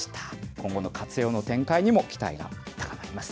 今後の活用の展開にも期待が高まります。